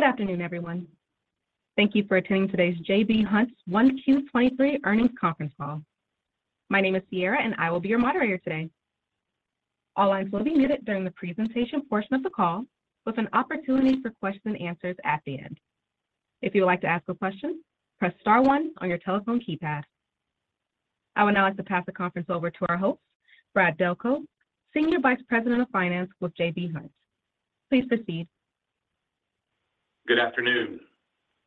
Good afternoon, everyone. Thank you for attending today's J.B. Hunt's 1Q 2023 earnings conference call. My name is Sierra. I will be your moderator today. All lines will be muted during the presentation portion of the call, with an opportunity for questions-and-answers at the end. If you would like to ask a question, press Star one on your telephone keypad. I would now like to pass the conference over to our host, Brad Delco, Senior Vice President of Finance with J.B. Hunt. Please proceed. Good afternoon.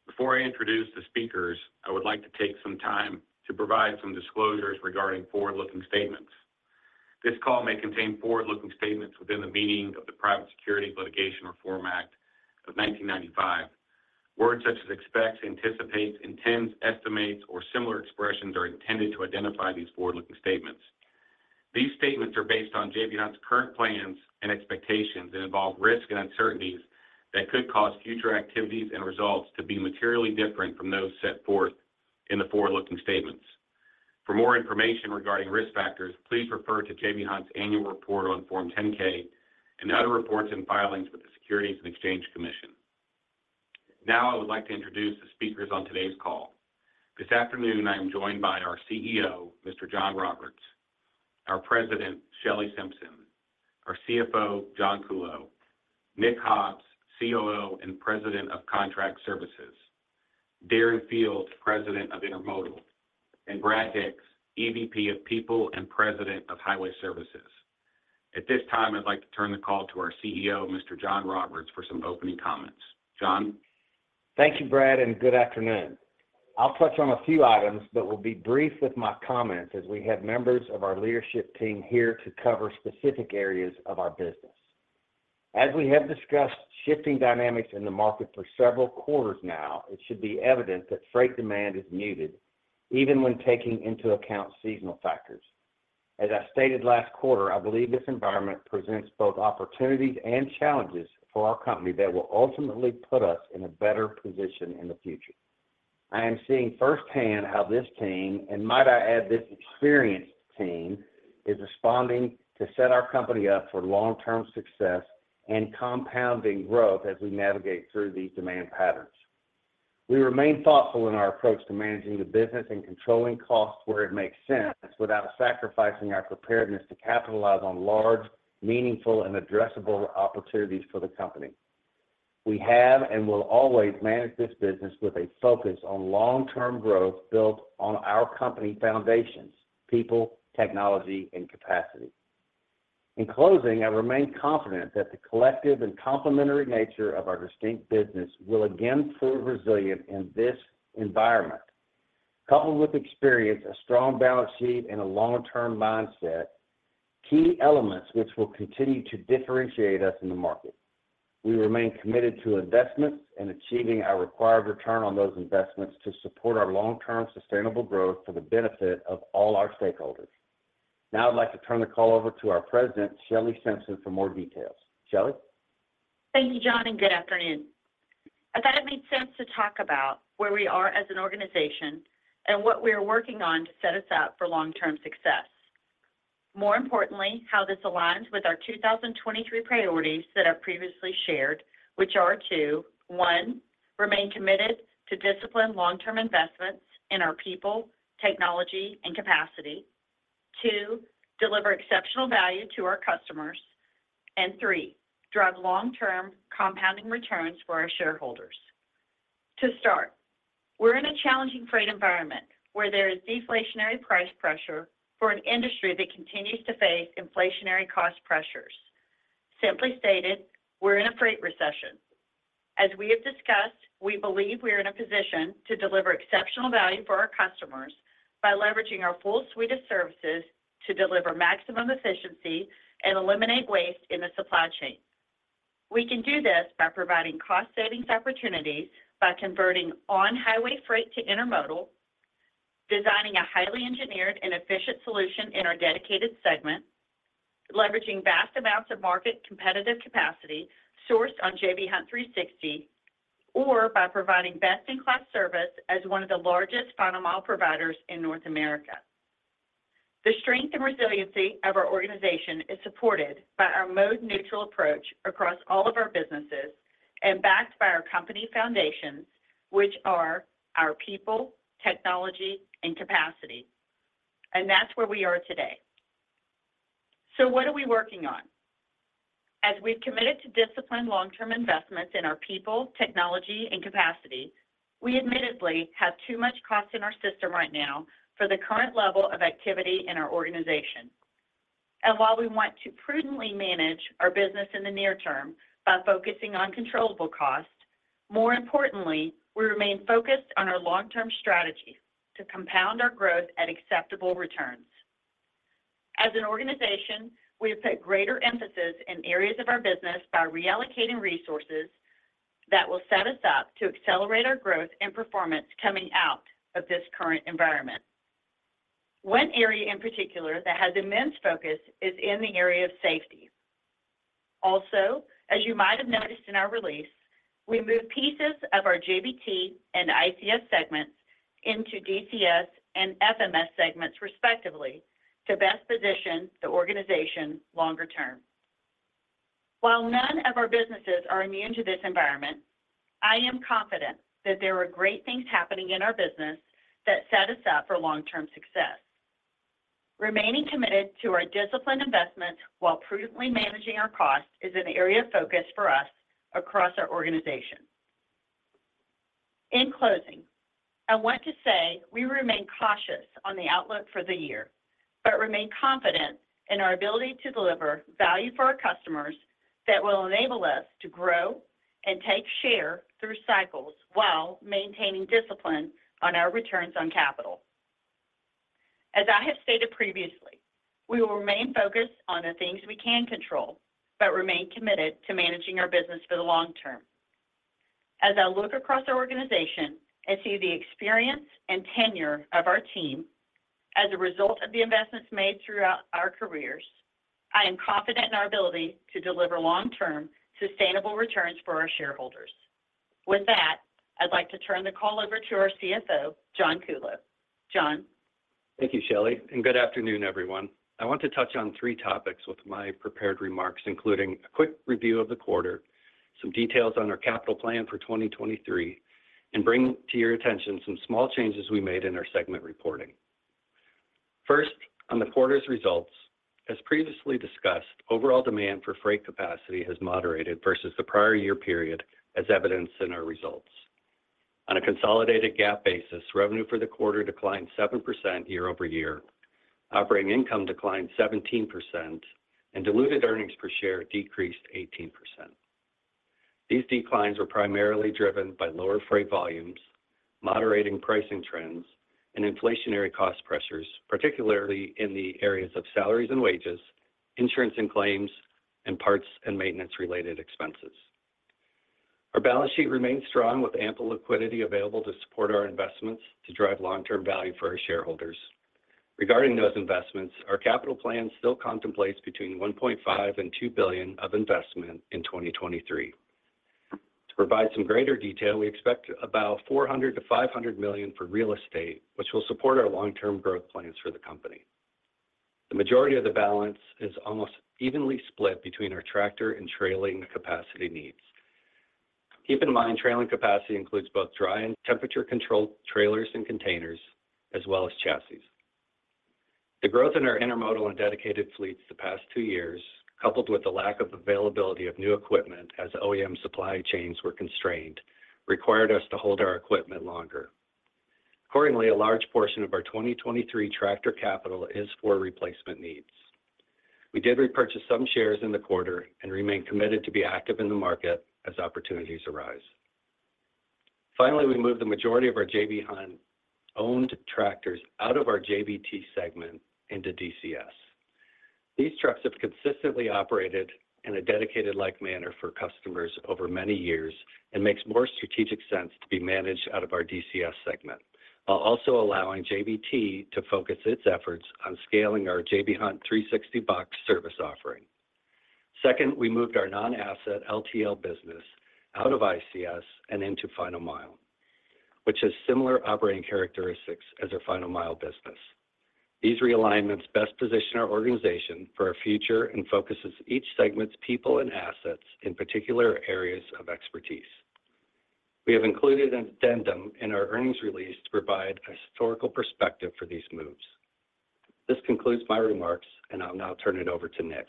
Before I introduce the speakers, I would like to take some time to provide some disclosures regarding forward-looking statements. This call may contain forward-looking statements within the meaning of the Private Securities Litigation Reform Act of 1995. Words such as expects, anticipates, intends, estimates, or similar expressions are intended to identify these forward-looking statements. These statements are based on J.B. Hunt's current plans and expectations and involve risk and uncertainties that could cause future activities and results to be materially different from those set forth in the forward-looking statements. For more information regarding Risk Factors, please refer to J.B. Hunt's annual report on form 10-K and other reports and filings with the Securities and Exchange Commission. Now, I would like to introduce the speakers on today's call. This afternoon, I am joined by our CEO, Mr. John Roberts, our President, Shelley Simpson, our CFO, John Kuhlow, Nick Hobbs, COO and President of Contract Services, Darren Field, President of Intermodal, and Brad Hicks, EVP of People and President of Highway Services. At this time, I'd like to turn the call to our CEO, Mr. John Roberts, for some opening comments. John? Thank you, Brad. Good afternoon. I'll touch on a few items, but we'll be brief with my comments as we have members of our leadership team here to cover specific areas of our business. As we have discussed shifting dynamics in the market for several quarters now, it should be evident that freight demand is muted even when taking into account seasonal factors. As I stated last quarter, I believe this environment presents both opportunities and challenges for our company that will ultimately put us in a better position in the future. I am seeing firsthand how this team, and might I add this experienced team, is responding to set our company up for long-term success and compounding growth as we navigate through these demand patterns. We remain thoughtful in our approach to managing the business and controlling costs where it makes sense without sacrificing our preparedness to capitalize on large, meaningful, and addressable opportunities for the company. We have and will always manage this business with a focus on long-term growth built on our company foundations: people, technology, and capacity. In closing, I remain confident that the collective and complementary nature of our distinct business will again prove resilient in this environment. Coupled with experience, a strong balance sheet and a long-term mindset, key elements which will continue to differentiate us in the market. We remain committed to investments and achieving our required return on those investments to support our long-term sustainable growth for the benefit of all our stakeholders. Now I'd like to turn the call over to our President, Shelley Simpson, for more details. Shelley? Thank you, John, and good afternoon. I thought it made sense to talk about where we are as an organization and what we are working on to set us up for long-term success. More importantly, how this aligns with our 2023 priorities that I previously shared, which are to, one, remain committed to discipline long-term investments in our people, technology, and capacity. Two, deliver exceptional value to our customers. three, drive long-term compounding returns for our shareholders. To start, we're in a challenging freight environment where there is deflationary price pressure for an industry that continues to face inflationary cost pressures. Simply stated, we're in a freight recession. As we have discussed, we believe we are in a position to deliver exceptional value for our customers by leveraging our full suite of services to deliver maximum efficiency and eliminate waste in the supply chain. We can do this by providing cost savings opportunities by converting on-highway freight to intermodal, designing a highly engineered and efficient solution in our dedicated segment, leveraging vast amounts of market competitive capacity sourced on J.B. Hunt 360, or by providing best-in-class service as one of the largest final mile providers in North America. The strength and resiliency of our organization is supported by our mode-neutral approach across all of our businesses and backed by our company foundations, which are our people, technology, and capacity. That's where we are today. What are we working on? As we've committed to discipline long-term investments in our people, technology, and capacity, we admittedly have too much cost in our system right now for the current level of activity in our organization. While we want to prudently manage our business in the near-term by focusing on controllable costs, more importantly, we remain focused on our long-term strategy to compound our growth at acceptable returns. As an organization, we have put greater emphasis in areas of our business by reallocating resources that will set us up to accelerate our growth and performance coming out of this current environment. One area in particular that has immense focus is in the area of safety. As you might have noticed in our release, we moved pieces of our JBT and ICS segments into DCS and FMS segments respectively to best position the organization longer-term. While none of our businesses are immune to this environment, I am confident that there are great things happening in our business that set us up for long-term success. Remaining committed to our disciplined investment while prudently managing our cost is an area of focus for us across our organization. In closing, I want to say we remain cautious on the outlook for the year. We remain confident in our ability to deliver value for our customers that will enable us to grow and take share through cycles while maintaining discipline on our returns on capital. As I have stated previously, we will remain focused on the things we can control. We remain committed to managing our business for the long-term. As I look across our organization and see the experience and tenure of our team as a result of the investments made throughout our careers, I am confident in our ability to deliver long-term, sustainable returns for our shareholders. With that, I'd like to turn the call over to our CFO, John Kuhlow. John? Thank you, Shelley. Good afternoon, everyone. I want to touch on three topics with my prepared remarks, including a quick review of the quarter, some details on our capital plan for 2023, and bring to your attention some small changes we made in our segment reporting. First, on the quarter's results. As previously discussed, overall demand for freight capacity has moderated versus the prior year period as evidenced in our results. On a consolidated GAAP basis, revenue for the quarter declined 7% year-over-year. Operating income declined 17% and diluted earnings per share decreased 18%. These declines were primarily driven by lower freight volumes, moderating pricing trends, and inflationary cost pressures, particularly in the areas of salaries and wages, insurance and claims, and parts and maintenance-related expenses. Our balance sheet remains strong with ample liquidity available to support our investments to drive long-term value for our shareholders. Regarding those investments, our capital plan still contemplates between $1.5 billion and $2 billion of investment in 2023. To provide some greater detail, we expect about $400 million-$500 million for real estate, which will support our long-term growth plans for the company. The majority of the balance is almost evenly split between our tractor and trailing capacity needs. Keep in mind, trailing capacity includes both dry and temperature-controlled trailers and containers, as well as chassis. The growth in our Intermodal and dedicated fleets the past two years, coupled with the lack of availability of new equipment as OEM supply chains were constrained, required us to hold our equipment longer. Accordingly, a large portion of our 2023 tractor capital is for replacement needs. We did repurchase some shares in the quarter and remain committed to be active in the market as opportunities arise. Finally, we moved the majority of our J.B. Hunt-owned tractors out of our JBT segment into DCS. These trucks have consistently operated in a dedicated-like manner for customers over many years and makes more strategic sense to be managed out of our DCS segment, while also allowing JBT to focus its efforts on scaling our J.B. Hunt 360box service offering. Second, we moved our non-asset LTL business out of ICS and into Final Mile, which has similar operating characteristics as our Final Mile business. These realignments best position our organization for our future and focuses each segment's people and assets in particular areas of expertise. We have included an addendum in our earnings release to provide a historical perspective for these moves. This concludes my remarks, and I'll now turn it over to Nick.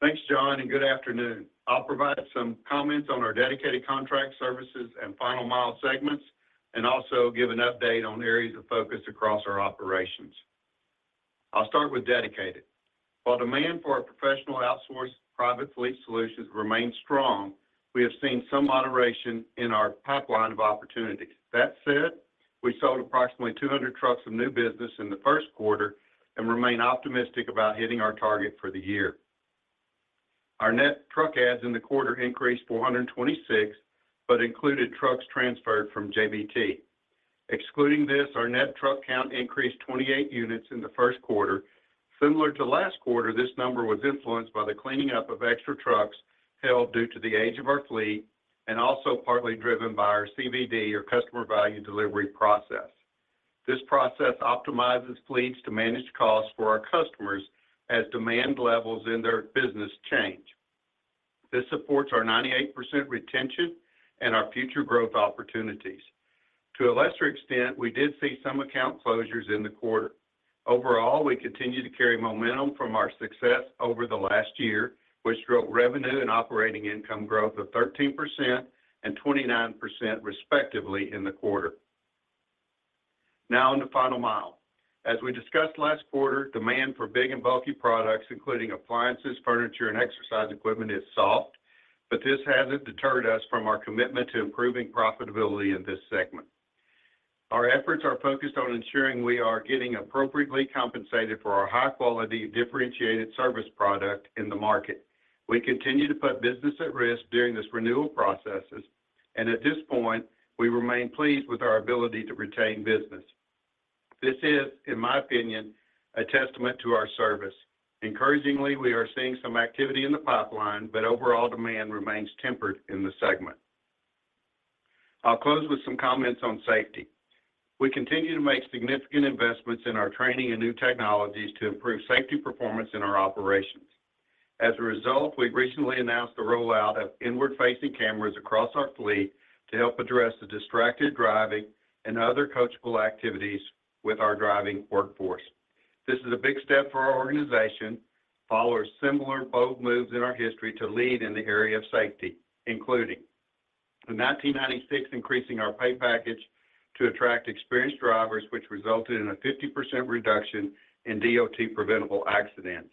Thanks, John, good afternoon. I'll provide some comments on our Dedicated Contract Services and Final Mile segments and also give an update on areas of focus across our operations. I'll start with Dedicated. While demand for our professional outsourced Private Fleet Solutions remains strong, we have seen some moderation in our pipeline of opportunities. That said, we sold approximately 200 trucks of new business in the first quarter and remain optimistic about hitting our target for the year. Our net truck adds in the quarter increased 426, but included trucks transferred from JBT. Excluding this, our net truck count increased 28 units in the first quarter. Similar to last quarter, this number was influenced by the cleaning up of extra trucks held due to the age of our fleet and also partly driven by our CVD, or customer value delivery process. This process optimizes fleets to manage costs for our customers as demand levels in their business change. This supports our 98% retention and our future growth opportunities. To a lesser extent, we did see some account closures in the quarter. Overall, we continue to carry momentum from our success over the last year, which drove revenue and operating income growth of 13% and 29% respectively in the quarter. Now on to Final Mile. As we discussed last quarter, demand for big and bulky products, including appliances, furniture, and exercise equipment, is soft, but this hasn't deterred us from our commitment to improving profitability in this segment. Our efforts are focused on ensuring we are getting appropriately compensated for our high-quality, differentiated service product in the market. We continue to put business at risk during this renewal processes, and at this point, we remain pleased with our ability to retain business. This is, in my opinion, a testament to our service. Encouragingly, we are seeing some activity in the pipeline, but overall demand remains tempered in the segment. I'll close with some comments on safety. We continue to make significant investments in our training and new technologies to improve safety performance in our operations. As a result, we recently announced the rollout of inward-facing cameras across our fleet to help address the distracted driving and other coachable activities with our driving workforce. This is a big step for our organization, follows similar bold moves in our history to lead in the area of safety, including in 1996, increasing our pay package to attract experienced drivers, which resulted in a 50% reduction in DOT preventable accidents.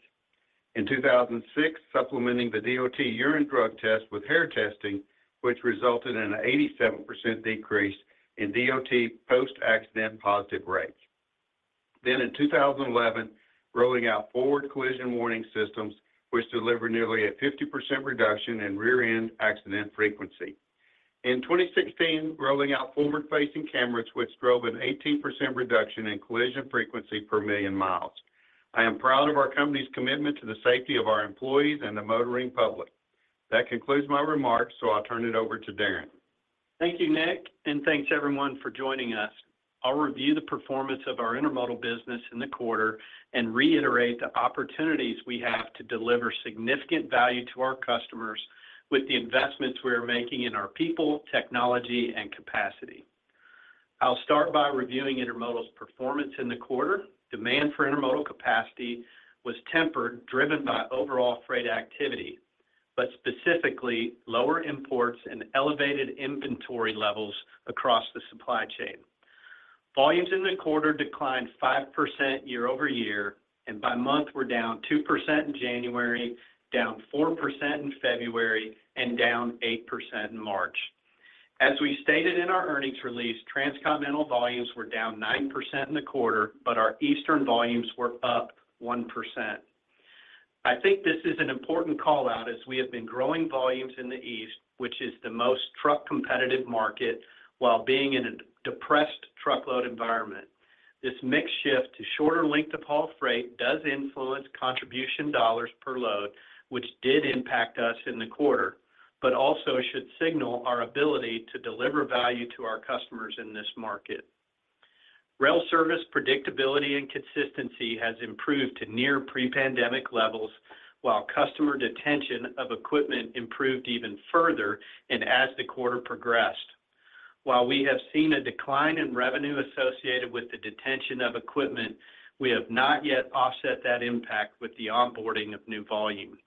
In 2006, supplementing the DOT urine drug test with hair testing, which resulted in an 87% decrease in DOT post-accident positive rates. In 2011, rolling out forward collision warning systems, which delivered nearly a 50% reduction in rear-end accident frequency. In 2016, rolling out forward-facing cameras, which drove an 18% reduction in collision frequency per million miles. I am proud of our company's commitment to the safety of our employees and the motoring public. That concludes my remarks, so I'll turn it over to Darren. Thank you, Nick, thanks everyone for joining us. I'll review the performance of our intermodal business in the quarter and reiterate the opportunities we have to deliver significant value to our customers with the investments we are making in our people, technology and capacity. I'll start by reviewing Intermodal's performance in the quarter. Demand for intermodal capacity was tempered, driven by overall freight activity, but specifically lower imports and elevated inventory levels across the supply chain. Volumes in the quarter declined 5% year-over-year, and by month were down 2% in January, down 4% in February, and down 8% in March. As we stated in our earnings release, transcontinental volumes were down 9% in the quarter, but our eastern volumes were up 1%. I think this is an important call-out as we have been growing volumes in the east, which is the most truck competitive market while being in a depressed truckload environment. This mix shift to shorter length of haul freight does influence contribution dollars per load, which did impact us in the quarter, but also should signal our ability to deliver value to our customers in this market. Rail service predictability and consistency has improved to near pre-pandemic levels, while customer detention of equipment improved even further and as the quarter progressed. While we have seen a decline in revenue associated with the detention of equipment, we have not yet offset that impact with the onboarding of new volume.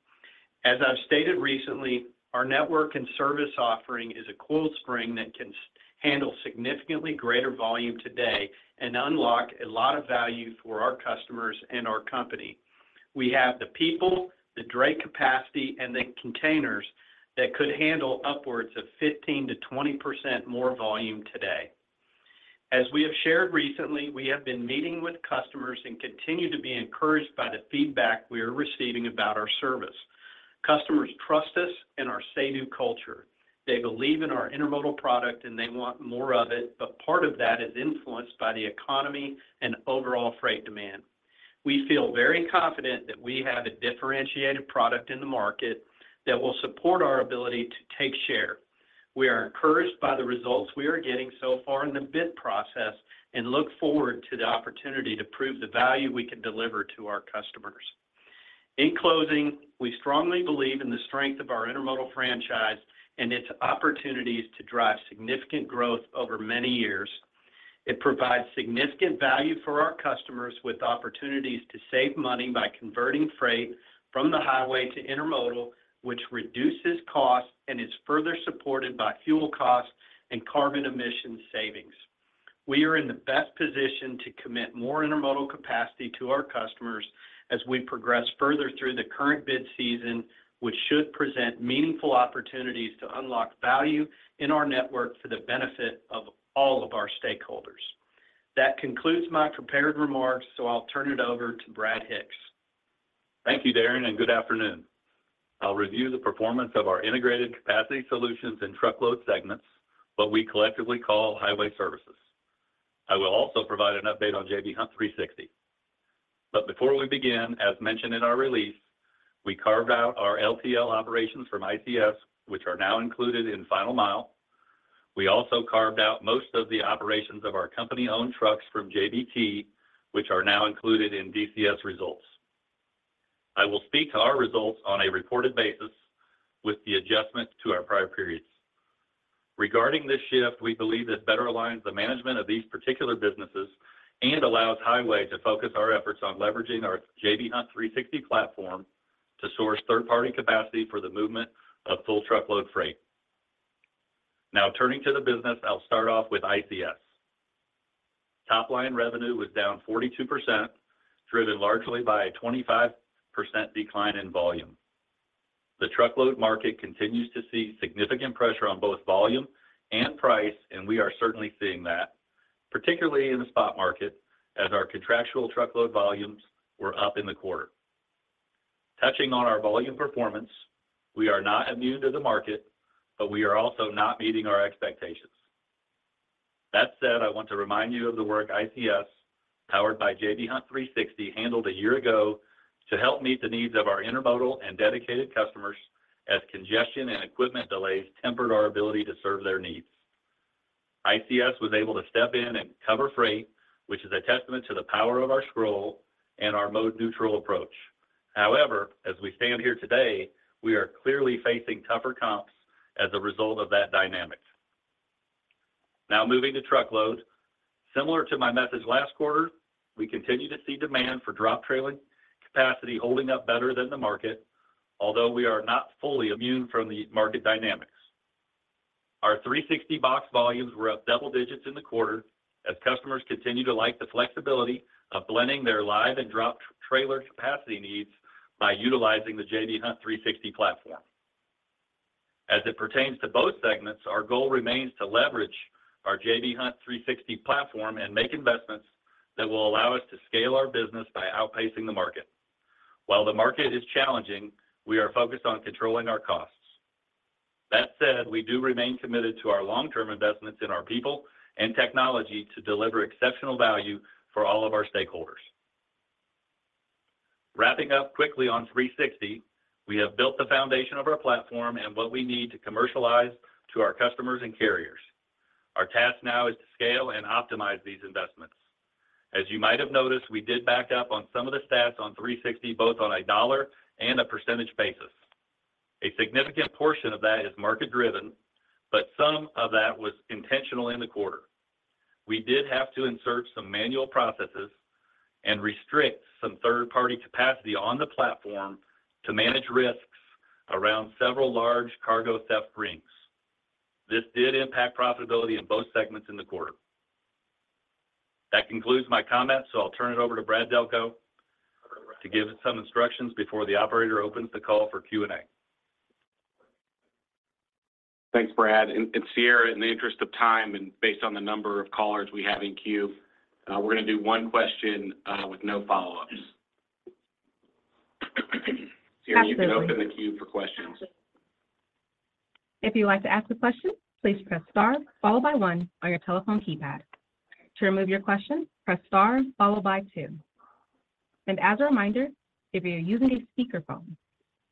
As I've stated recently, our Network and Service offering is a coiled spring that can handle significantly greater volume today and unlock a lot of value for our customers and our company. We have the people, the dray capacity, and the containers that could handle upwards of 15%-20% more volume today. As we have shared recently, we have been meeting with customers and continue to be encouraged by the feedback we are receiving about our service. Customers trust us and our Say-Do culture. They believe in our intermodal product and they want more of it. Part of that is influenced by the economy and overall freight demand. We feel very confident that we have a differentiated product in the market that will support our ability to take share. We are encouraged by the results we are getting so far in the bid process and look forward to the opportunity to prove the value we can deliver to our customers. In closing, we strongly believe in the strength of our Intermodal franchise and its opportunities to drive significant growth over many years. It provides significant value for our customers with opportunities to save money by converting freight from the highway to Intermodal, which reduces costs and is further supported by fuel costs and carbon emission savings. We are in the best position to commit more intermodal capacity to our customers as we progress further through the current bid season, which should present meaningful opportunities to unlock value in our network for the benefit of all of our stakeholders. That concludes my prepared remarks, so I'll turn it over to Brad Hicks. Thank you, Darren, and good afternoon. I'll review the performance of our integrated capacity solutions and Truckload segments, what we collectively call Highway Services. I will also provide an update on J.B. Hunt 360°. Before we begin, as mentioned in our release, we carved out our LTL operations from ICS, which are now included in Final Mile. We also carved out most of the operations of our company-owned trucks from JBT, which are now included in DCS results. I will speak to our results on a reported basis with the adjustment to our prior periods. Regarding this shift, we believe this better aligns the management of these particular businesses and allows Highway to focus our efforts on leveraging our J.B. Hunt 360° platform to source third-party capacity for the movement of full truckload freight. Turning to the business, I'll start off with ICS. Top line revenue was down 42%, driven largely by a 25% decline in volume. The truckload market continues to see significant pressure on both volume and price. We are certainly seeing that, particularly in the spot market, as our contractual truckload volumes were up in the quarter. Touching on our volume performance, we are not immune to the market, but we are also not meeting our expectations. That said, I want to remind you of the work ICS, powered by J.B. Hunt 360°, handled a year ago to help meet the needs of our intermodal and dedicated customers as congestion and equipment delays tempered our ability to serve their needs. ICS was able to step in and cover freight, which is a testament to the power of our scale and our mode-neutral approach. As we stand here today, we are clearly facing tougher comps as a result of that dynamic. Now moving to Truckload. Similar to my message last quarter, we continue to see demand for drop trailing capacity holding up better than the market, although we are not fully immune from the market dynamics. Our 360box volumes were up double digits in the quarter as customers continue to like the flexibility of blending their live and drop trailer capacity needs by utilizing the J.B. Hunt 360° platform. As it pertains to both segments, our goal remains to leverage our J.B. Hunt 360° platform and make investments that will allow us to scale our business by outpacing the market. While the market is challenging, we are focused on controlling our costs. That said, we do remain committed to our long-term investments in our people and technology to deliver exceptional value for all of our stakeholders. Wrapping up quickly on 360°, we have built the foundation of our platform and what we need to commercialize to our customers and carriers. Our task now is to scale and optimize these investments. As you might have noticed, we did back up on some of the stats on 360, both on a dollar and a percentage basis. A significant portion of that is market-driven, but some of that was intentional in the quarter. We did have to insert some manual processes and restrict some third-party capacity on the platform to manage risks around several large cargo theft rings. This did impact profitability in both segments in the quarter. That concludes my comments, so I'll turn it over to Brad Delco to give some instructions before the operator opens the call for Q&A. Thanks, Brad. Sierra, in the interest of time and based on the number of callers we have in queue, we're going to do one question with no follow-ups. Absolutely. Sierra, you can open the queue for questions. If you'd like to ask a question, please press Star followed by one on your telephone keypad. To remove your question, press Star followed by two. As a reminder, if you're using a speakerphone,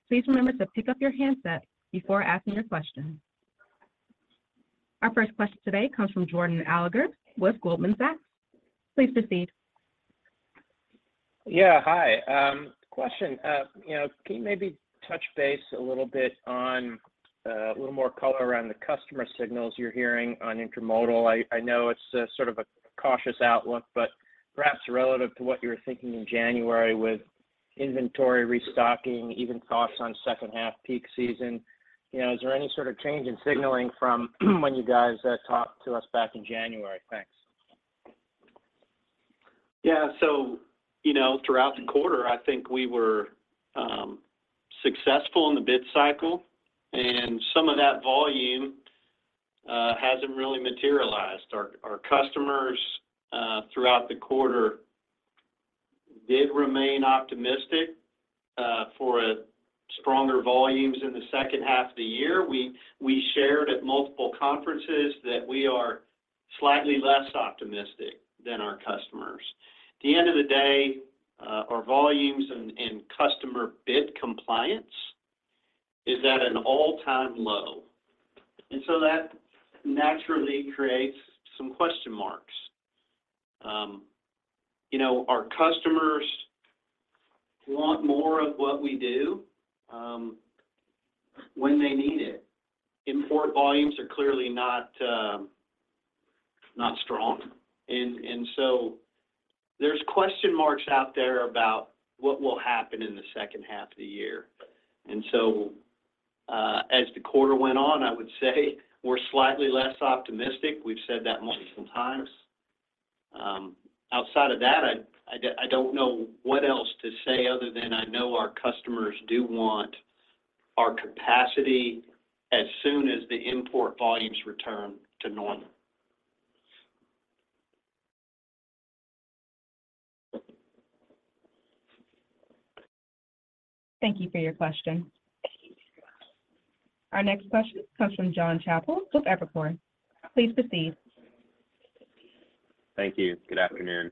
please remember to pick up your handset before asking your question. Our first question today comes from Jordan Alliger with Goldman Sachs. Please proceed. Yeah, hi. Question. You know, can you maybe touch base a little bit on a little more color around the customer signals you're hearing on intermodal? I know it's a sort of a cautious outlook, but perhaps relative to what you were thinking in January with inventory restocking, even thoughts on second half peak season. You know, is there any sort of change in signaling from when you guys talked to us back in January? Thanks. You know, throughout the quarter, I think we were successful in the bid cycle, and some of that volume hasn't really materialized. Our customers throughout the quarter did remain optimistic for a stronger volumes in the second half of the year. We shared at multiple conferences that we are slightly less optimistic than our customers. At the end of the day, our volumes and customer bid compliance is at an all-time low. That naturally creates some question marks. You know, our customers want more of what we do when they need it. Import volumes are clearly not not strong. There's question marks out there about what will happen in the second half of the year. As the quarter went on, I would say we're slightly less optimistic. We've said that multiple times. outside of that, I don't know what else to say other than I know our customers do want our capacity as soon as the import volumes return to normal. Thank you for your question. Our next question comes from Jonathan Chappell with Evercore. Please proceed. Thank you. Good afternoon.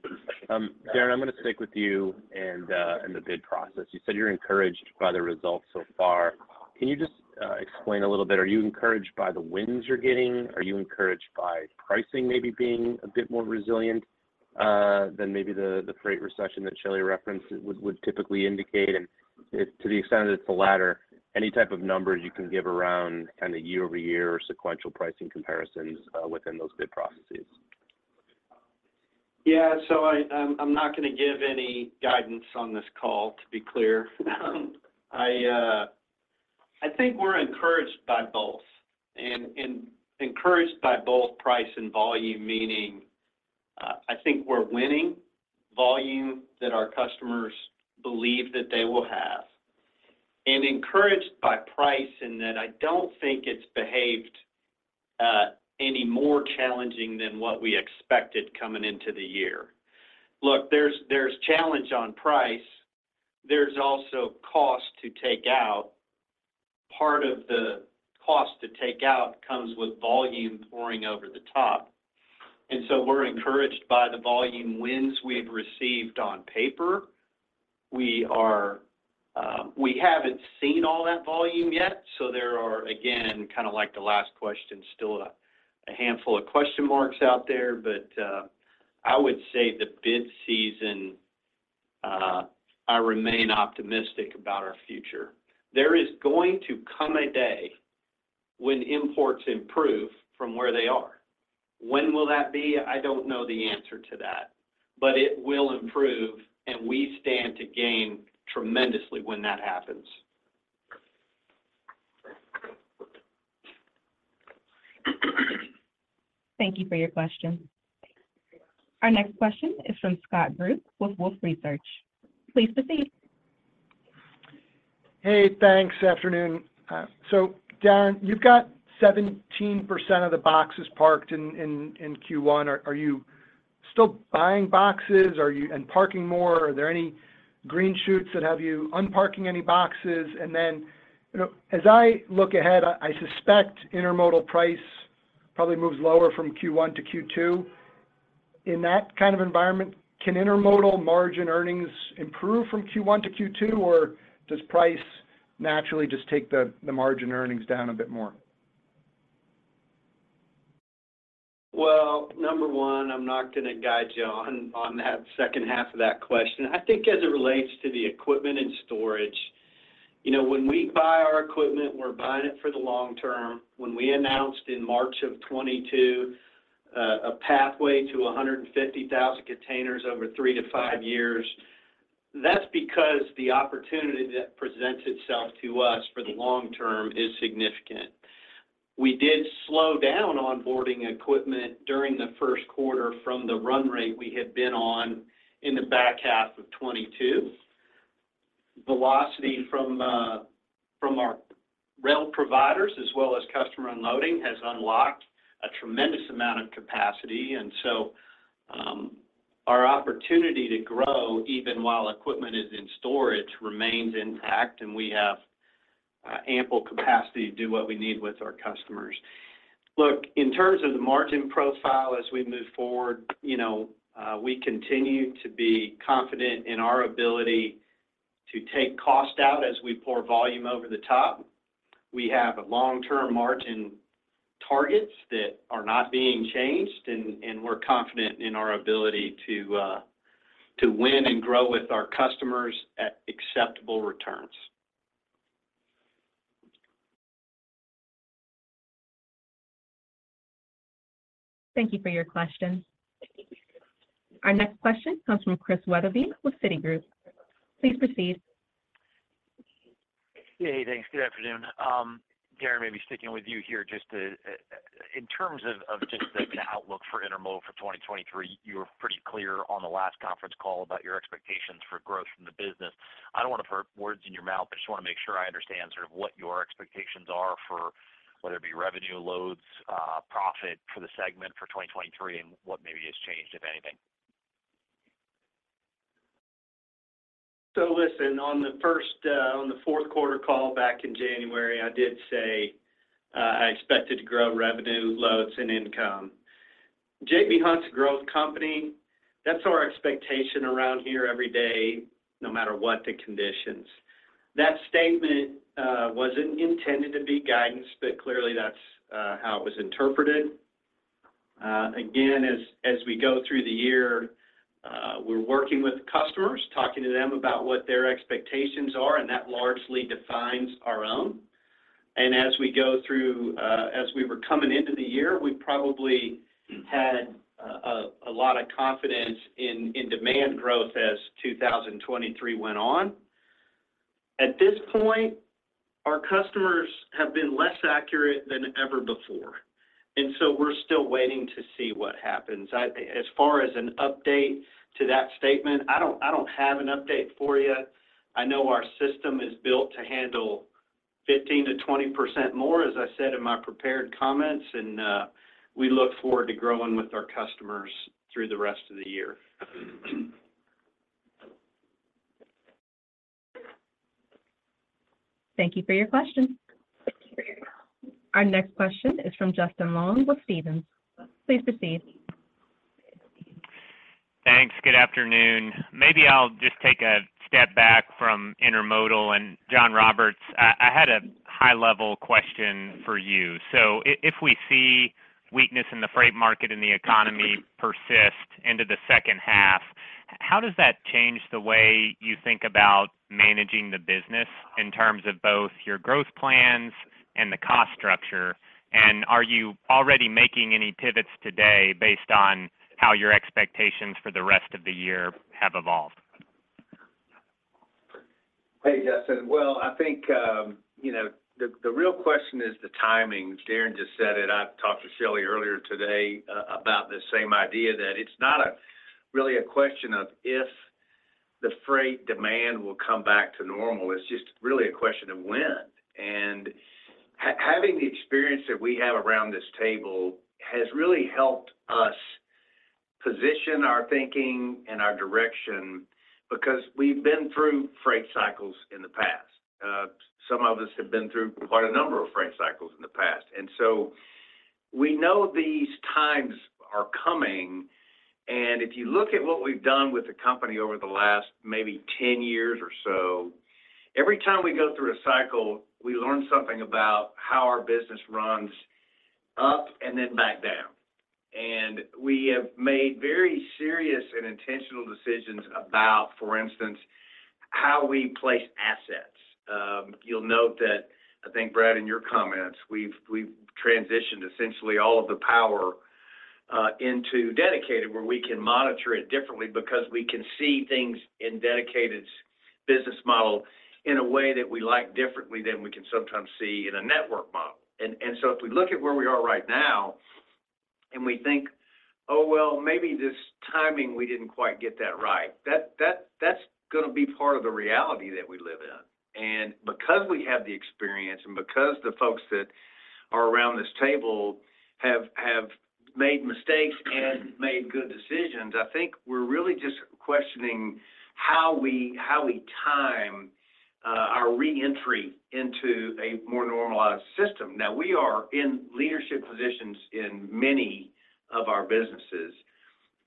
Darren, I'm going to stick with you and the bid process. You said you're encouraged by the results so far. Can you just explain a little bit? Are you encouraged by the wins you're getting? Are you encouraged by pricing maybe being a bit more resilient than maybe the freight recession that Shelley referenced would typically indicate? If to the extent that it's the latter, any type of numbers you can give around kind of year-over-year or sequential pricing comparisons within those bid processes? Yeah. I'm not going to give any guidance on this call, to be clear. I think we're encouraged by both, and encouraged by both price and volume, meaning, I think we're winning volume that our customers believe that they will have. Encouraged by price in that I don't think it's behaved any more challenging than what we expected coming into the year. Look, there's challenge on price. There's also cost to take out. Part of the cost to take out comes with volume pouring over the top. We're encouraged by the volume wins we've received on paper. We are, we haven't seen all that volume yet, so there are, again, kinda like the last question, still a handful of question marks out there. I would say the bid season, I remain optimistic about our future. There is going to come a day when imports improve from where they are. When will that be? I don't know the answer to that. It will improve, and we stand to gain tremendously when that happens. Thank you for your question. Our next question is from Scott Group with Wolfe Research. Please proceed. Hey, thanks. Afternoon. Darren Field, you've got 17% of the boxes parked in Q1. Are you still buying boxes? And parking more? Are there any green shoots that have you unparking any boxes? You know, as I look ahead, I suspect intermodal price probably moves lower from Q1-Q2. In that kind of environment, can intermodal margin earnings improve from Q1-Q2, or does price naturally just take the margin earnings down a bit more? Well, number one, I'm not gonna guide you on that second half of that question. I think as it relates to the equipment and storage, you know, when we buy our equipment, we're buying it for the long-term. When we announced in March of 2022, a pathway to 150,000 containers over 3-5 years, that's because the opportunity that presents itself to us for the long-term is significant. We did slow down onboarding equipment during the first quarter from the run rate we had been on in the back half of 2022. Velocity from our rail providers as well as customer unloading has unlocked a tremendous amount of capacity. Our opportunity to grow even while equipment is in storage remains intact, and we have ample capacity to do what we need with our customers. Look, in terms of the margin profile as we move forward, you know, we continue to be confident in our ability to take cost out as we pour volume over the top. We have long-term margin targets that are not being changed, and we're confident in our ability to win and grow with our customers at acceptable returns. Thank you for your question. Our next question comes from Christian Wetherbee with Citigroup. Please proceed. Yeah. Thanks. Good afternoon. Darren, maybe sticking with you here just in terms of just the outlook for Intermodal for 2023, you were pretty clear on the last conference call about your expectations for growth from the business. I don't wanna put words in your mouth, I just wanna make sure I understand sort of what your expectations are for whether it be revenue, loads, profit for the segment for 2023, and what maybe has changed, if anything. Listen, on the fourth quarter call back in January, I did say, I expected to grow revenue, loads, and income. J.B. Hunt's a growth company. That's our expectation around here every day, no matter what the conditions. That statement wasn't intended to be guidance, but clearly that's how it was interpreted. Again, as we go through the year, we're working with customers, talking to them about what their expectations are, and that largely defines our own. As we go through, as we were coming into the year, we probably had a lot of confidence in demand growth as 2023 went on. At this point, our customers have been less accurate than ever before, we're still waiting to see what happens. I, as far as an update to that statement, I don't have an update for you. I know our system is built to handle 15%-20% more, as I said in my prepared comments, and we look forward to growing with our customers through the rest of the year. Thank you for your question. Our next question is from Justin Long with Stephens. Please proceed. Thanks. Good afternoon. Maybe I'll just take a step back from Intermodal. John Roberts, I had a high-level question for you. If we see weakness in the freight market and the economy persist into the second half, how does that change the way you think about managing the business in terms of both your growth plans and the cost structure? Are you already making any pivots today based on how your expectations for the rest of the year have evolved? Hey, Justin. Well, I think, you know, the real question is the timing. Darren just said it. I talked to Shelley earlier today about the same idea, that it's not a really a question of if. The freight demand will come back to normal. It's just really a question of when. Having the experience that we have around this table has really helped us position our thinking and our direction because we've been through freight cycles in the past. Some of us have been through quite a number of freight cycles in the past. We know these times are coming, and if you look at what we've done with the company over the last maybe 10 years or so, every time we go through a cycle, we learn something about how our business runs up and then back down. We have made very serious and intentional decisions about, for instance, how we place assets. You'll note that, I think, Brad, in your comments, we've transitioned essentially all of the power into dedicated, where we can monitor it differently because we can see things in Dedicated's business model in a way that we like differently than we can sometimes see in a network model. If we look at where we are right now, and we think, Oh, well, maybe this timing, we didn't quite get that right," that's gonna be part of the reality that we live in. Because we have the experience and because the folks that are around this table have made mistakes and made good decisions, I think we're really just questioning how we time our re-entry into a more normalized system. Now, we are in leadership positions in many of our businesses,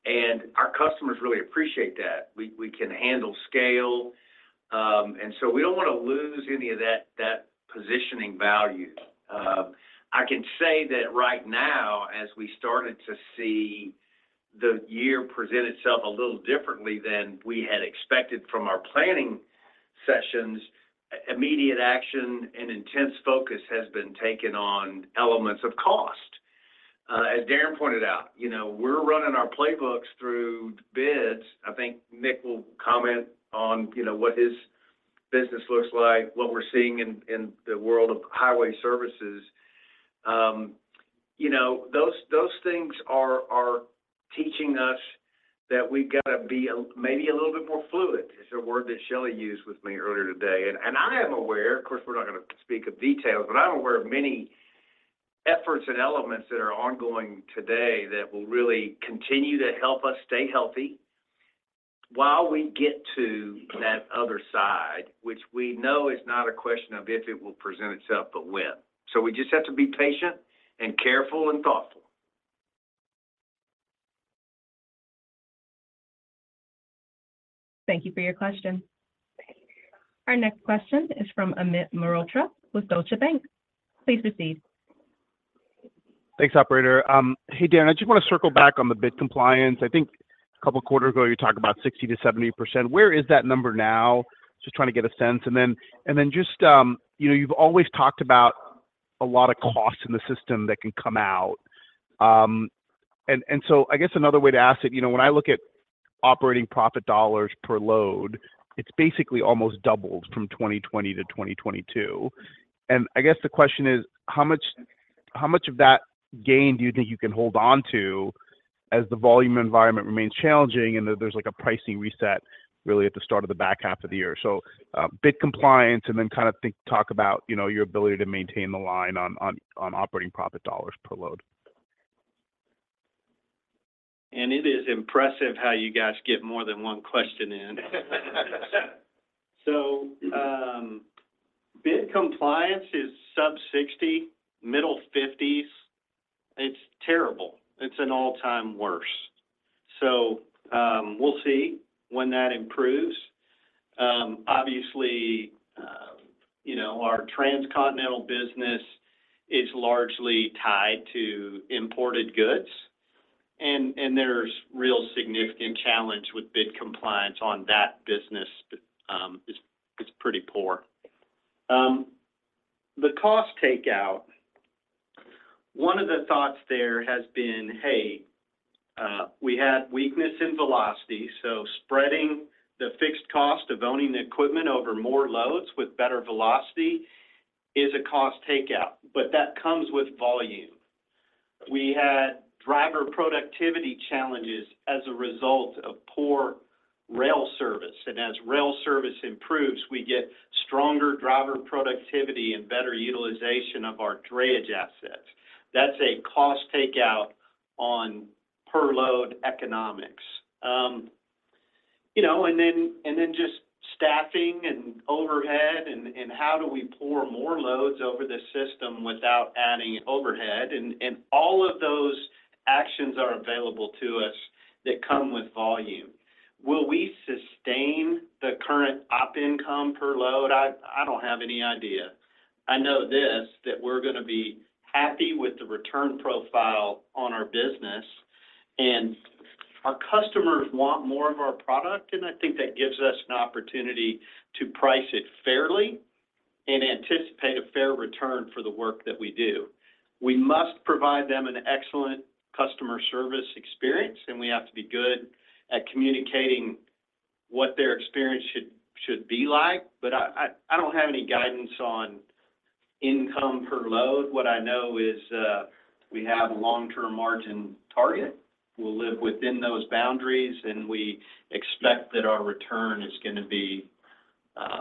and our customers really appreciate that. We can handle scale. We don't want to lose any of that positioning value. I can say that right now, as we started to see the year present itself a little differently than we had expected from our planning sessions, immediate action and intense focus has been taken on elements of cost. As Darren pointed out, you know, we're r unning our playbooks through bids. I think Nick Hobbs will comment on, you know, what his business looks like, what we're seeing in the world of Highway Services. You know, those things are teaching us that we've got to be a maybe a little bit more fluid. It's a word that Shelley used with me earlier today. I am aware, of course, we're not going to speak of details, but I'm aware of many efforts and elements that are ongoing today that will really continue to help us stay healthy while we get to that other side, which we know is not a question of if it will present itself, but when. We just have to be patient and careful and thoughtful. Thank you for your question. Our next question is from Amit Mehrotra with Deutsche Bank. Please proceed. Thanks, operator. Hey, Darren, I just want to circle back on the bid compliance. I think a couple of quarters ago, you talked about 60%-70%. Where is that number now? Just trying to get a sense. Just, you know, you've always talked about a lot of costs in the system that can come out. I guess another way to ask it, you know, when I look at operating profit dollar per load, it's basically almost doubled from 2020 to 2022. I guess the question is, how much of that gain do you think you can hold on to as the volume environment remains challenging and there's like a pricing reset really at the start of the back half of the year? bid compliance and then kind of talk about, you know, your ability to maintain the line on operating profit dollars per load. It is impressive how you guys get more than one question in. Bid compliance is sub-60, middle 50s. It's terrible. It's an all-time worst. We'll see when that improves. Obviously, you know, our transcontinental business is largely tied to imported goods, and there's real significant challenge with bid compliance on that business. It's pretty poor. The cost takeout, one of the thoughts there has been, hey, we had weakness in velocity, so spreading the fixed cost of owning the equipment over more loads with better velocity is a cost takeout, but that comes with volume. We had driver productivity challenges as a result of poor rail service, and as rail service improves, we get stronger driver productivity and better utilization of our drayage assets. That's a cost takeout on per load economics. You know, and then just staffing and overhead and how do we pour more loads over the system without adding overhead? All of those actions are available to us that come with volume. Will we sustain the current op income per load? I don't have any idea. I know this, that we're going to be happy with the return profile on our business, and our customers want more of our product, and I think that gives us an opportunity to price it fairly and anticipate a fair return for the work that we do. We must provide them an excellent customer service experience, and we have to be good at communicating what their experience should be like. I don't have any guidance on Income per load. What I know is, we have a long-term margin target. We'll live within those boundaries. We expect that our return is gonna be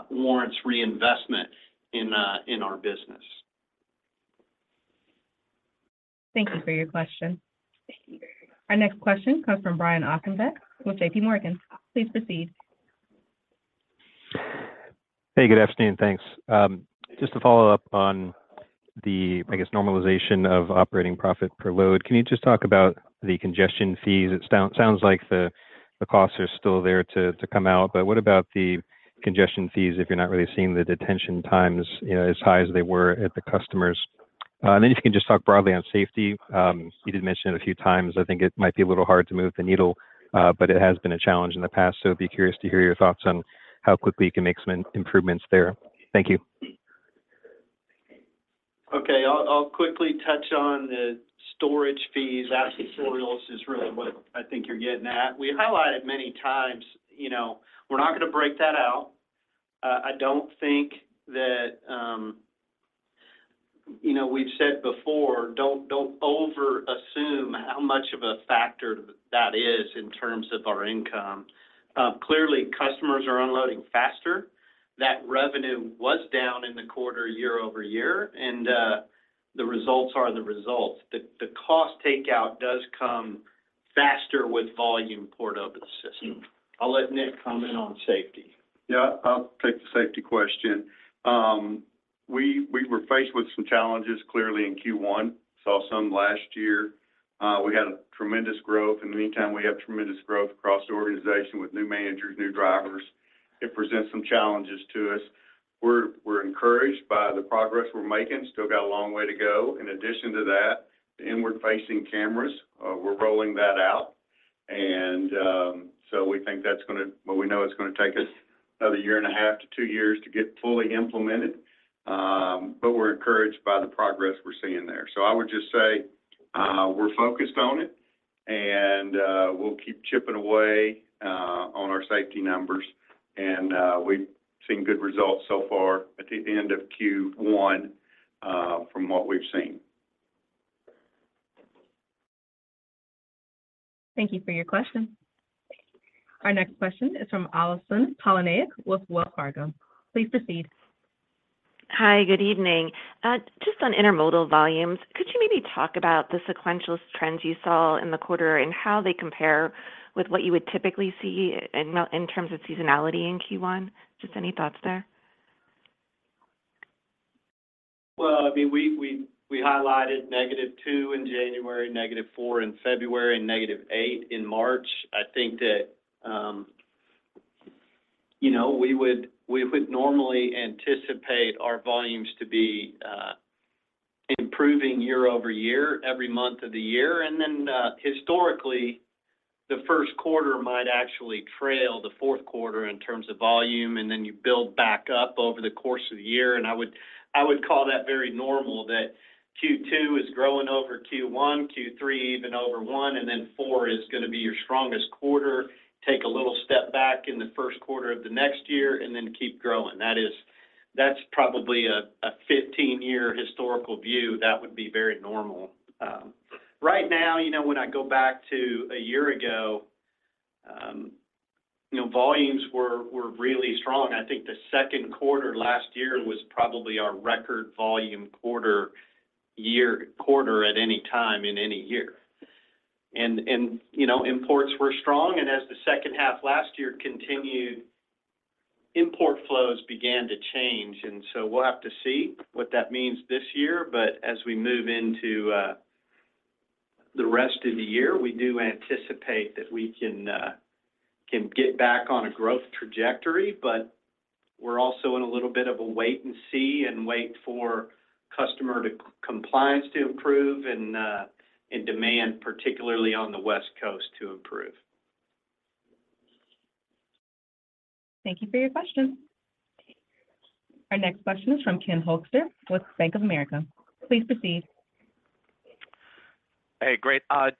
warrants reinvestment in our business. Thank you for your question. Our next question comes from Brian Ossenbeck with JPMorgan. Please proceed. Hey, good afternoon. Thanks. Just to follow-up on the, I guess, normalization of operating profit per load. Can you just talk about the congestion fees? It sounds like the costs are still there to come out, but what about the congestion fees if you're not really seeing the detention times, you know, as high as they were at the customers? If you can just talk broadly on Safety. You did mention it a few times. I think it might be a little hard to move the needle, but it has been a challenge in the past, so be curious to hear your thoughts on how quickly you can make some improvements there. Thank you. I'll quickly touch on the storage fees. That's the totals is really what I think you're getting at. We highlighted many times, you know, we're not gonna break that out. I don't think that, you know, we've said before, don't over assume how much of a factor that is in terms of our income. Clearly, customers are unloading faster. That revenue was down in the quarter year-over-year, the results are the results. The cost takeout does come faster with volume port of the system. I'll let Nick comment on safety. I'll take the safety question. We were faced with some challenges clearly in Q1. Saw some last year. We had a tremendous growth. In the meantime, we have tremendous growth across the organization with new managers, new drivers. It presents some challenges to us. We're encouraged by the progress we're making. Still got a long way to go. In addition to that, the inward-facing cameras, we're rolling that out. We think that's gonna. Well, we know it's gonna take us another year and a half to two years to get fully implemented, but we're encouraged by the progress we're seeing there. I would just say, we're focused on it and we'll keep chipping away on our safety numbers. We've seen good results so far at the end of Q1, from what we've seen. Thank you for your question. Our next question is from Allison Poliniak with Wells Fargo. Please proceed. Hi. Good evening. Just on Intermodal volumes, could you maybe talk about the sequential trends you saw in the quarter and how they compare with what you would typically see in terms of seasonality in Q1? Just any thoughts there? Well, I mean, we highlighted -2% in January, -4% in February, and -8% in March. I think that, you know, we would normally anticipate our volumes to be improving year-over-year every month of the year. Historically, the first quarter might actually trail the fourth quarter in terms of volume, and then you build back up over the course of the year. I would call that very normal that Q2 is growing over Q1, Q3 even over Q1, and then Q4 is gonna be your strongest quarter. Take a little step back in the first quarter of the next year and then keep growing. That is, that's probably a 15-year historical view that would be very normal. Right now, you know, when I go back to a year ago, you know, volumes were really strong. I think the second quarter last year was probably our record volume quarter, year quarter at any time in any year. You know, imports were strong. As the second half last year continued, import flows began to change. So we'll have to see what that means this year. As we move into the rest of the year, we do anticipate that we can get back on a growth trajectory. We're also in a little bit of a wait and see and wait for customer to compliance to improve and demand particularly on the West Coast to improve. Thank you for your question. Our next question is from Ken Hoexter with Bank of America. Please proceed. Hey, great. I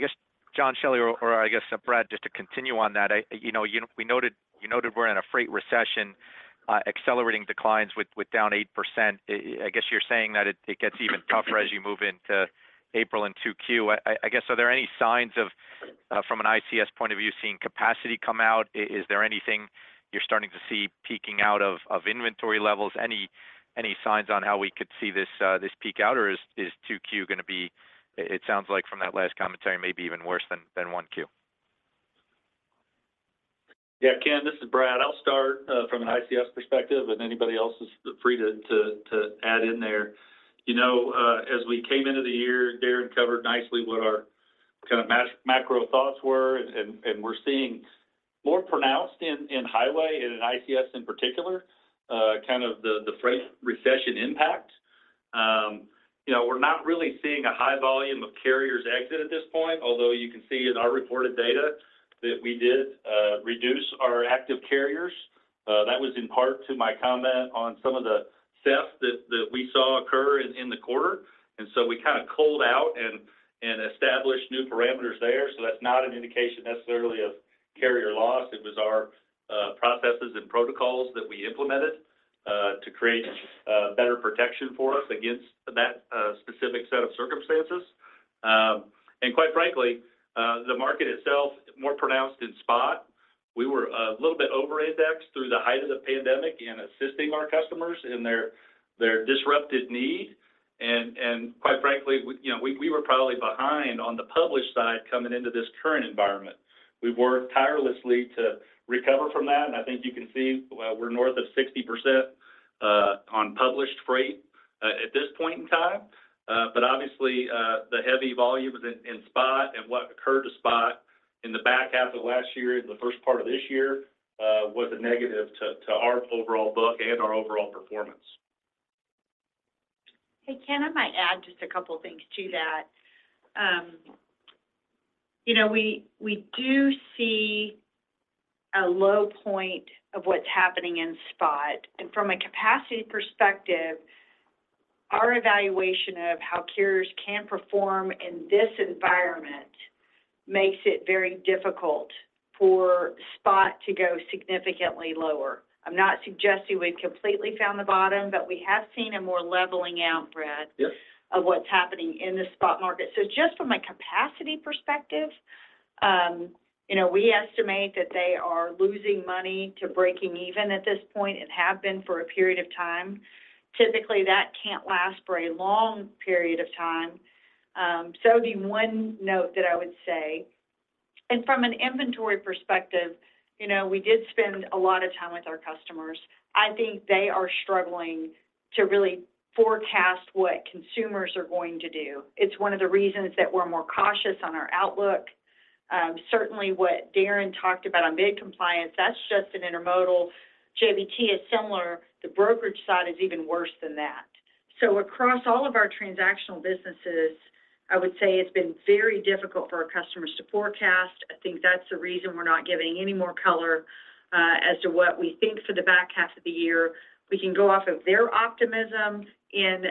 guess John, Shelley, or I guess, Brad, just to continue on that. I, you know, we noted, you noted we're in a freight recession, accelerating declines with down 8%. I guess you're saying that it gets even tougher as you move into April and 2Q. I guess, are there any signs of, from an ICS point of view, seeing capacity come out? Is there anything you're starting to see peaking out of inventory levels? Any signs on how we could see this peak out, or is 2Q gonna be, it sounds like from that last commentary, maybe even worse than 1Q? Yeah, Ken, this is Brad. I'll start from an ICS perspective, and anybody else is free to add in there. You know, as we came into the year, Darren covered nicely what our kind of macro thoughts were. We're seeing more pronounced in highway and in ICS in particular, the freight recession impact. You know, we're not really seeing a high volume of carriers exit at this point, although you can see in our reported data that we did reduce our active carriers. That was in part to my comment on some of the theft that we saw occur. In the quarter, we kind of culled out and established new parameters there. That's not an indication necessarily of carrier loss. It was our processes and protocols that we implemented to create better protection for us against that specific set of circumstances. Quite frankly, the market itself, more pronounced in spot, we were a little bit over-indexed through the height of the pandemic in assisting our customers in their disrupted need. Quite frankly, we, you know, we were probably behind on the published side coming into this current environment. We've worked tirelessly to recover from that, and I think you can see, we're north of 60% on published freight at this point in time. Obviously, the heavy volumes in spot and what occurred to spot in the back half of last year and the first part of this year, was a negative to our overall book and our overall performance. Hey, Ken, I might add just a couple things to that. you know, we do see a low point of what's happening in spot. From a capacity perspective, our evaluation of how carriers can perform in this environment makes it very difficult for spot to go significantly lower. I'm not suggesting we've completely found the bottom, but we have seen a more leveling out. Yes. -of what's happening in the spot market. Just from a capacity perspective, you know, we estimate that they are losing money to breaking even at this point and have been for a period of time. Typically, that can't last for a long period of time. The one note that I would say, from an inventory perspective, you know, we did spend a lot of time with our customers. I think they are struggling to really forecast what consumers are going to do. It's one of the reasons that we're more cautious on our outlook. Certainly what Darren talked about on IMC compliance, that's just an intermodal. JBT is similar. The brokerage side is even worse than that. Across all of our transactional businesses, I would say it's been very difficult for our customers to forecast. I think that's the reason we're not giving any more color, as to what we think for the back half of the year. We can go off of their optimism in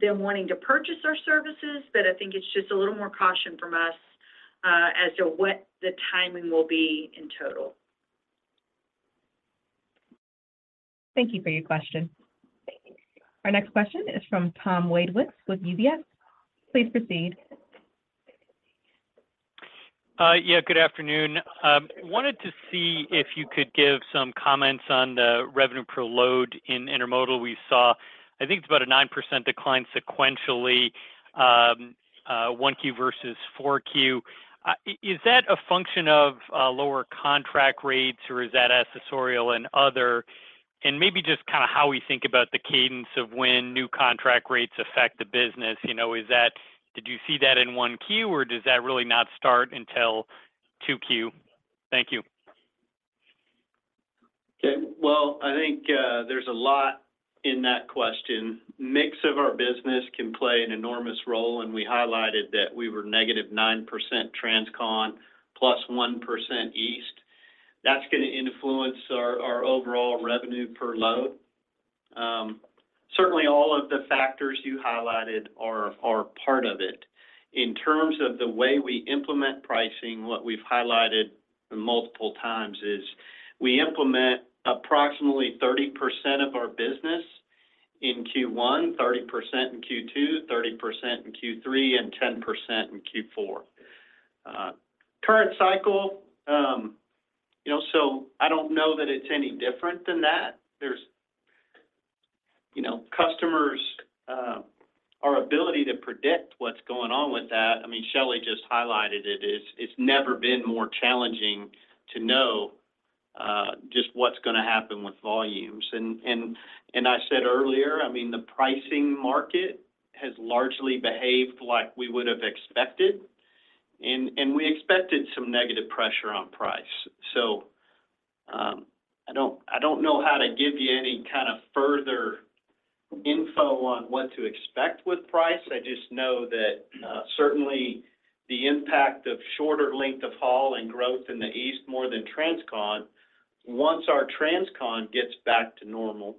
them wanting to purchase our services, I think it's just a little more caution from us, as to what the timing will be in total. Thank you for your question. Thank you. Our next question is from Tom Wadewitz with UBS. Please proceed. Yeah, good afternoon. Wanted to see if you could give some comments on the revenue per load in intermodal. We saw, I think it's about a 9% decline sequentially, 1 Q versus 4 Q. Is that a function of lower contract rates, or is that accessorial and other? Maybe just kinda how we think about the cadence of when new contract rates affect the business. You know, did you see that in 1 Q, or does that really not start until 2 Q? Thank you. Okay. Well, I think, there's a lot in that question. Mix of our business can play an enormous role. We highlighted that we were -9% transcon +1% east. That's going to influence our overall revenue per load. Certainly all of the factors you highlighted are part of it. In terms of the way we implement pricing, what we've highlighted multiple times is we implement approximately 30% of our business in Q1, 30% in Q2, 30% in Q3, and 10% in Q4. Current cycle, you know, I don't know that it's any different than that. There's, you know, customers, our ability to predict what's going on with that, I mean, Shelley just highlighted it. It's never been more challenging to know, just what's going to happen with volumes. I said earlier, I mean, the pricing market has largely behaved like we would have expected. We expected some negative pressure on price. I don't know how to give you any kind of further info on what to expect with price. I just know that, certainly the impact of shorter length of haul and growth in the east more than transcon. Once our transcon gets back to normal,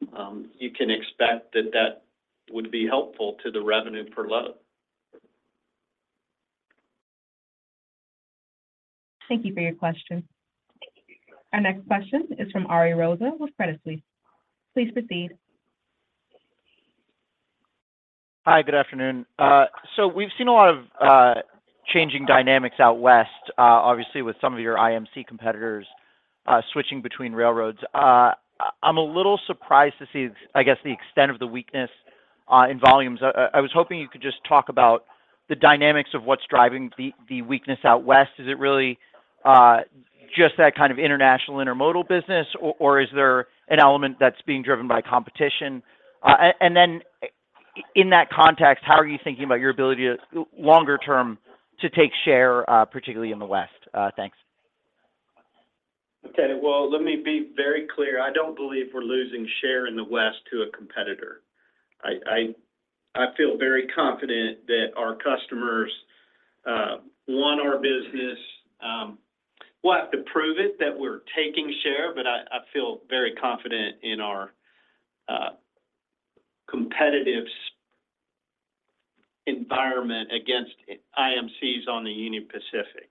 you can expect that that would be helpful to the revenue per load. Thank you for your question. Our next question is from Ari Rosa with Credit Suisse. Please proceed. Hi. Good afternoon. We've seen a lot of changing dynamics out west, obviously with some of your IMC competitors, switching between railroads. I'm a little surprised to see, I guess, the extent of the weakness in volumes. I was hoping you could just talk about the dynamics of what's driving the weakness out west. Is it really just that kind of International Intermodal business, or is there an element that's being driven by competition? Then in that context, how are you thinking about your ability to, longer-term, to take share, particularly in the west? Thanks. Okay. Well, let me be very clear. I don't believe we're losing share in the West to a competitor. I feel very confident that our customers want our business. We'll have to prove it that we're taking share, but I feel very confident in our competitive environment against IMCs on the Union Pacific.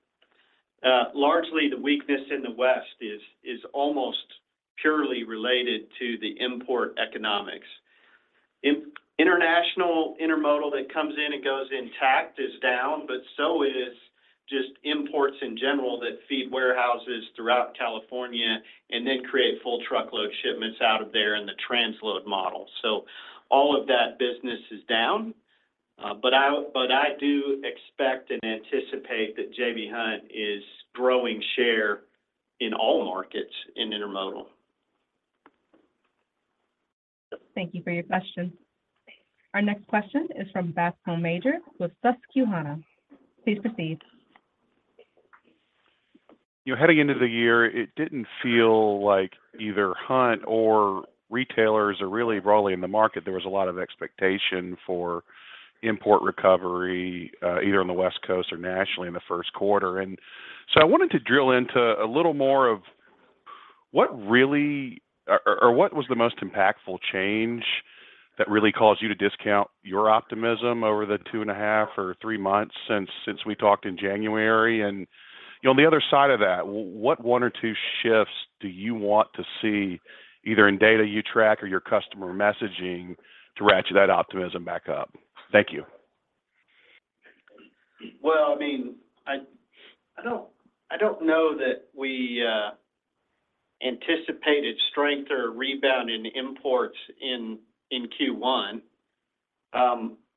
Largely the weakness in the West is almost purely related to the import economics. International intermodal that comes in and goes intact is down, but so is just imports in general that feed warehouses throughout California and then create full truckload shipments out of there in the transload model. All of that business is down, but I do expect and anticipate that J.B. Hunt is growing share in all markets in intermodal. Thank you for your question. Our next question is from Bascome Majors with Susquehanna. Please proceed. You know, heading into the year, it didn't feel like either Hunt or retailers are really rolling in the market. There was a lot of expectation for import recovery, either on the West Coast or nationally in the first quarter. I wanted to drill into a little more of what was the most impactful change that really caused you to discount your optimism over the two and a half or three months since we talked in January? You know, on the other side of that, what one or two shifts do you want to see either in data you track or your customer messaging to ratchet that optimism back up? Thank you. Well, I mean, I don't, I don't know that we anticipated strength or a rebound in imports in Q1.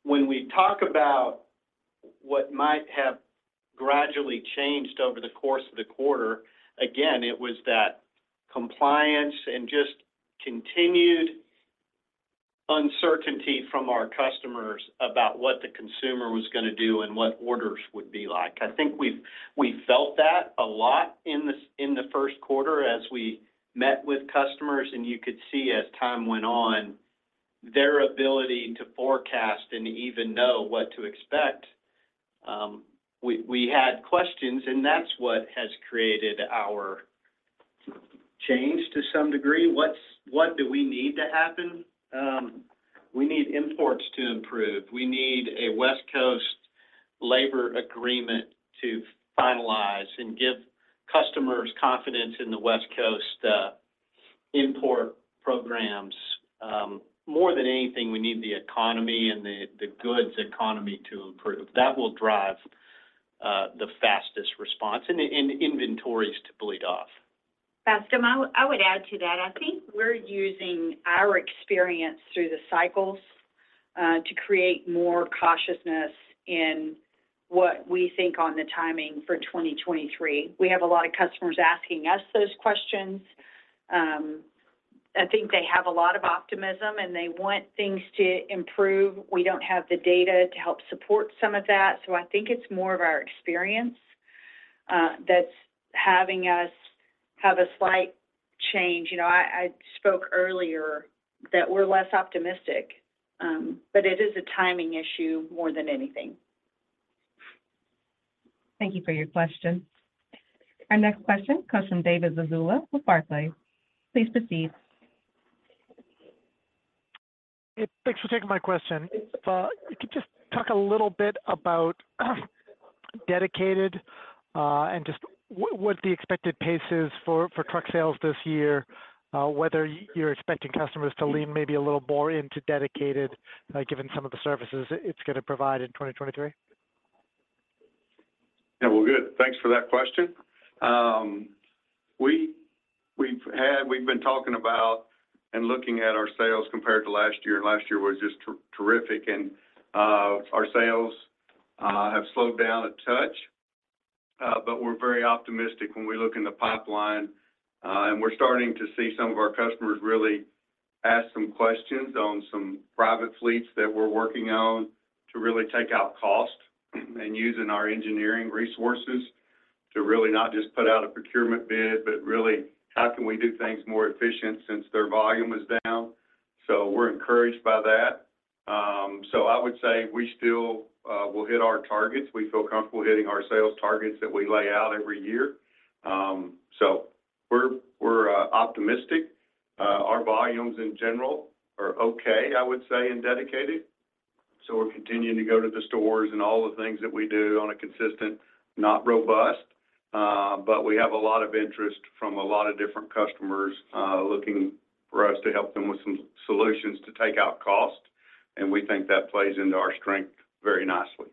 When we talk about what might have gradually changed over the course of the quarter, again, it was that compliance and just continued uncertainty from our customers about what the consumer was gonna do and what orders would be like. I think we felt that a lot in the first quarter as we met with customers, you could see as time went on, their ability to forecast and even know what to expect, we had questions, and that's what has created our change to some degree. What do we need to happen? We need imports to improve. We need a West Coast labor agreement to finalize and give customers confidence in the West Coast import programs. more than anything, we need the economy and the goods economy to improve. That will drive the fastest response, and inventories to bleed off. Bascome, I would add to that. I think we're using our experience through the cycles, to create more cautiousness in what we think on the timing for 2023. We have a lot of customers asking us those questions. I think they have a lot of optimism, and they want things to improve. We don't have the data to help support some of that, so I think it's more of our experience, that's having us have a slight change. You know, I spoke earlier that we're less optimistic, but it is a timing issue more than anything. Thank you for your question. Our next question comes from Brandon Oglenski with Barclays. Please proceed. Hey, thanks for taking my question. If you could just talk a little bit about dedicated, and just what the expected pace is for truck sales this year, whether you're expecting customers to lean maybe a little more into dedicated, given some of the services it's gonna provide in 2023. Yeah. Well, good. Thanks for that question. We've been talking about and looking at our sales compared to last year. Last year was just terrific. Our sales have slowed down a touch. We're very optimistic when we look in the pipeline. We're starting to see some of our customers really ask some questions on some private fleets that we're working on to really take out cost and using our engineering resources to really not just put out a procurement bid, but really how can we do things more efficient since their volume is down. We're encouraged by that. I would say we still will hit our targets. We feel comfortable hitting our sales targets that we lay out every year. We're optimistic. Our volumes in general are okay, I would say, in Dedicated, so we're continuing to go to the stores and all the things that we do on a consistent, not robust, but we have a lot of interest from a lot of different customers, looking for us to help them with some solutions to take out cost, and we think that plays into our strength very nicely.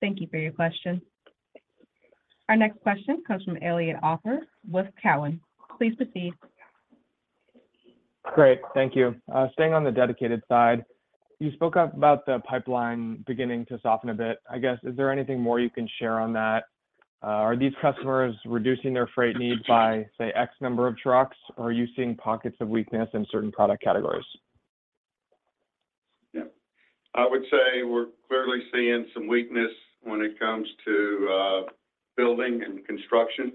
Thank you for your question. Our next question comes from Elliot Alper with Cowen. Please proceed. Great. Thank you. Staying on the dedicated side, you spoke up about the pipeline beginning to soften a bit. I guess, is there anything more you can share on that? Are these customers reducing their freight needs by, say, X number of trucks, or are you seeing pockets of weakness in certain product categories? Yeah. I would say we're clearly seeing some weakness when it comes to building and construction.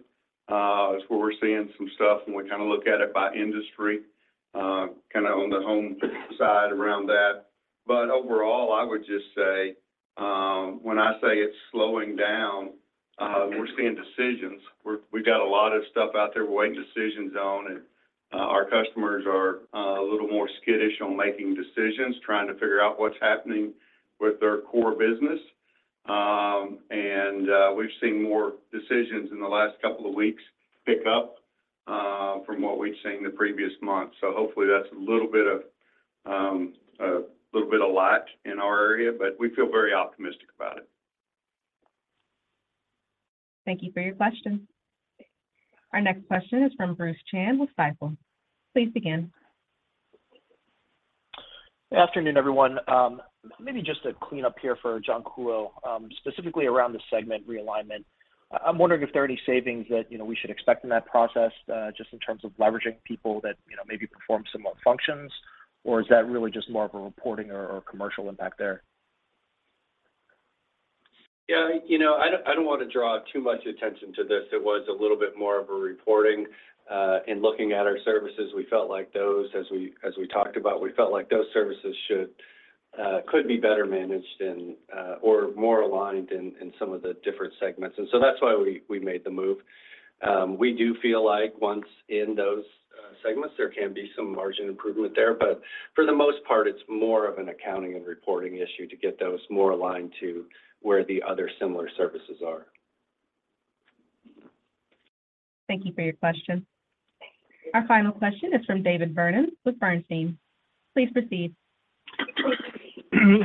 It's where we're seeing some stuff, and we kinda look at it by industry, kinda on the home side around that. Overall, I would just say, when I say it's slowing down, we're seeing decisions. We got a lot of stuff out there we're waiting decisions on, and our customers are a little more skittish on making decisions, trying to figure out what's happening with their core business. We've seen more decisions in the last couple of weeks pick up from what we'd seen the previous month. Hopefully, that's a little bit of a little bit of light in our area, but we feel very optimistic about it. Thank you for your question. Our next question is from Bruce Chan with Stifel. Please begin. Good afternoon, everyone. Maybe just to clean up here for John Kuhlow, specifically around the segment realignment. I'm wondering if there are any savings that, you know, we should expect in that process, just in terms of leveraging people that, you know, maybe perform similar functions, or is that really just more of a reporting or commercial impact there? Yeah, you know, I don't, I don't wanna draw too much attention to this. It was a little bit more of a reporting. In looking at our services, we felt like those, as we talked about, we felt like those services should, could be better managed and or more aligned in some of the different segments. That's why we made the move. We do feel like once in those segments, there can be some margin improvement there. For the most part, it's more of an accounting and reporting issue to get those more aligned to where the other similar services are. Thank you for your question. Our final question is from David Vernon with Bernstein. Please proceed.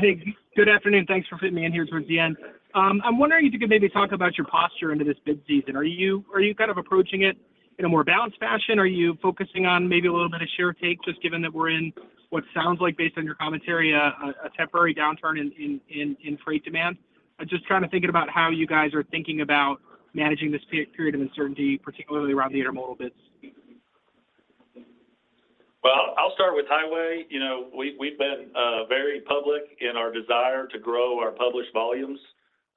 Hey, good afternoon. Thanks for fitting me in here towards the end. I'm wondering if you could maybe talk about your posture into this bid season. Are you kind of approaching it in a more balanced fashion? Are you focusing on maybe a little bit of share take, just given that we're in what sounds like, based on your commentary, a temporary downturn in freight demand? I'm just trying to think about how you guys are thinking about managing this per-period of uncertainty, particularly around the intermodal bids. Well, I'll start with Highway. You know, we've been very public in our desire to grow our published volumes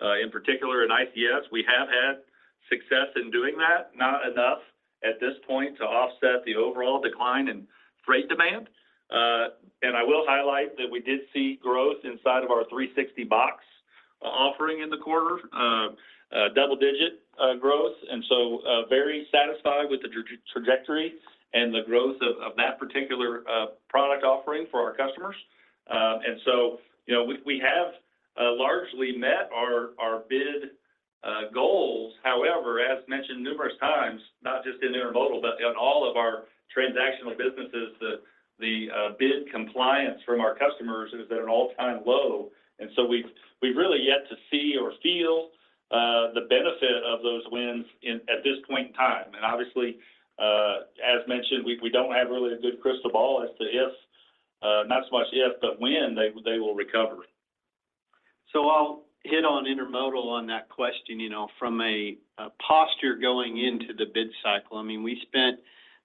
in particular in ICS. We have had success in doing that, not enough at this point to offset the overall decline in freight demand. I will highlight that we did see growth inside of our J.B. Hunt 360box offering in the quarter, double-digit growth, very satisfied with the trajectory and the growth of that particular product offering for our customers. You know, we have largely met our bid goals. However, as mentioned numerous times, not just in intermodal, but on all of our transactional businesses, the bid compliance from our customers is at an all-time low. We've really yet to see or feel the benefit of those wins at this point in time. Obviously, as mentioned, we don't have really a good crystal ball as to if, not so much if, but when they will recover it. I'll hit on intermodal on that question, you know, from a posture going into the bid cycle. I mean, we spent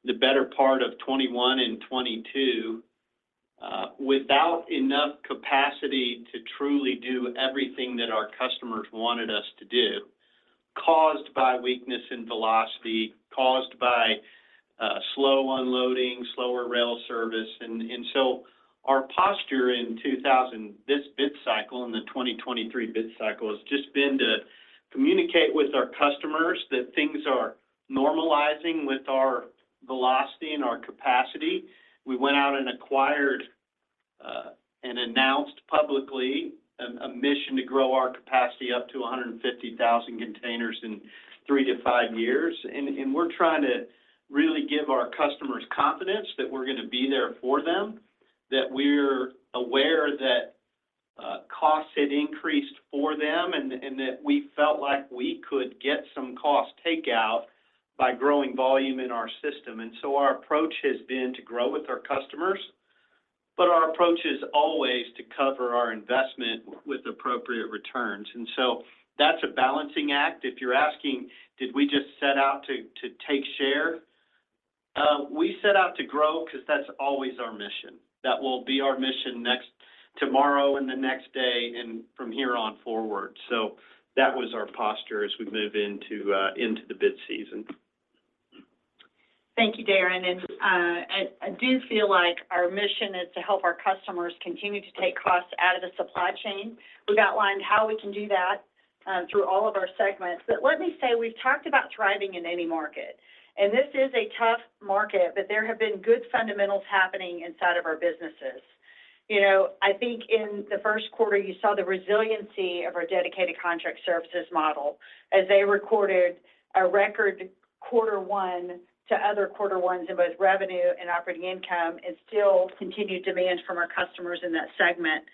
the better part of 2021 and 2022 without enough capacity to truly do everything that our customers wanted us to do, caused by weakness in velocity, caused by slow unloading, slower rail service. Our posture in this bid cycle and the 2023 bid cycle has just been to communicate with our customers that things are normalizing with our velocity and our capacity. We went out and acquired and announced publicly a mission to grow our capacity up to 150,000 containers in 3-5 years. We're trying to really give our customers confidence that we're gonna be there for them, that we're aware that costs had increased for them, and that we felt like we could get some cost takeout by growing volume in our system. Our approach has been to grow with our customers, but our approach is always to cover our investment with appropriate returns. That's a balancing act. If you're asking, did we just set out to take share? We set out to grow 'cause that's always our mission. That will be our mission next tomorrow and the next day and from here on forward. That was our posture as we move into the bid season. Thank you, Darren. I do feel like our mission is to help our customers continue to take costs out of the supply chain. We've outlined how we can do that through all of our segments. Let me say, we've talked about thriving in any market, and this is a tough market, but there have been good fundamentals happening inside of our businesses. You know, I think in the first quarter, you saw the resiliency of our Dedicated Contract Services model as they recorded a record quarter one to other quarter ones in both revenue and operating income and still continued demand from our customers in that segment.